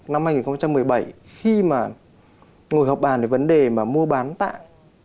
năm hai nghìn một mươi bảy khi mà ngồi họp bàn về vấn đề mà mua bán tạng